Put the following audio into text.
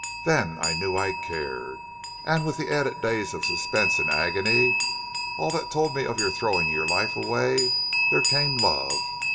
Then I knew I cared.... And with the added days of suspense and agony all that told me of your throwing your life away there came love....